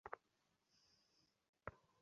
তোমার সঙ্গে কে পারিয়া উঠিবে।